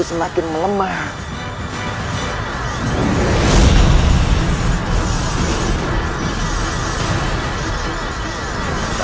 semoga dia berbahaya